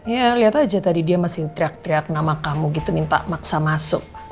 ya lihat aja tadi dia masih teriak teriak nama kamu gitu minta maksa masuk